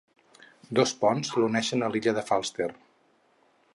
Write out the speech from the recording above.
Dos ponts l'uneixen a l'illa de Falster.